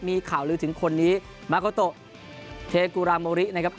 มีข่าวลือถึงคนนี้มาโกโตเทกุราโมรินะครับ